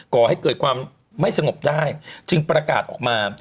ก่อให้เกิดความไม่สงบได้จึงประกาศออกมา